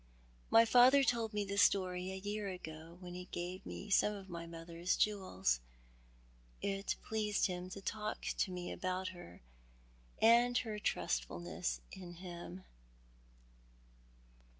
My father told me the story a year ago when he gave me some of my mother's jewels. It pleased him to talk to me about her, and her trustfulness in him."